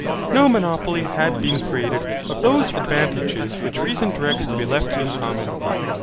No monopoly had been created of those advantages which reason directs to be left in common.